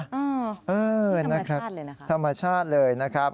นี่ธรรมชาติเลยนะครับน่ารักเลยนะครับ